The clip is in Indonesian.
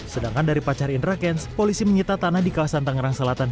sedangkan dari pacar indra kents polisi menyita tanah di kawasan tangerang selatan